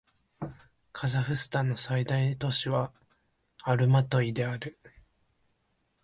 カザフスタンの最大都市はアルマトイである